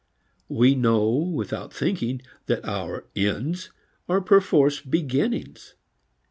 We know without thinking that our "ends" are perforce beginnings.